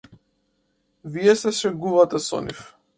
Вие се шегувате со нив.